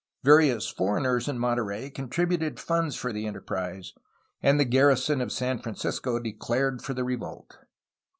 Various foreigners in Monterey contributed funds for the enterprise, and the garrison of San Francisco declared for the revolt.